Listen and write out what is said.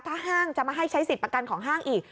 ถ้าห้างจะมาให้ใช้สิทธิ์ประกันของห้างอีก